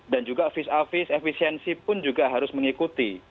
dan juga vis a vis efisiensi pun juga harus mengikuti